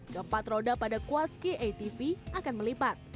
keempat roda pada kuatski atv akan melipat